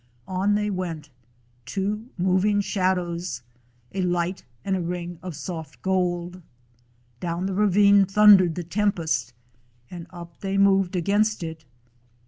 On they went, two moving shadows, a light, and a ring of soft gold. Down the ravine thundered the tempest, and up they moved against it.